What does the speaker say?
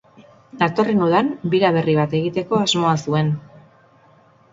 Datorren udan bira berri bat egiteko asmoa zuen.